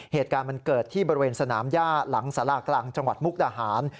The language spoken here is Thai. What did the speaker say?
เหตุการณ์มันเกิดที่บริเวณสนามย่าหลังสารากลางจังหวัดมุกดาหาร